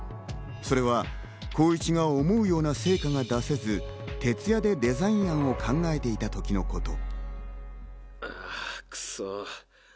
それは光一が思うような成果が出せず、徹夜でデザインイ案を考えていたときのこと。